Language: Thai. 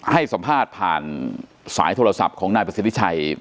ให้สัมภาษณ์ผ่านสายโทรศัพท์ของนายประสิทธิชัย